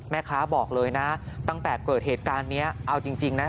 แม่ค้าบอกเลยนะตั้งแต่เกิดเหตุการณ์นี้เอาจริงนะ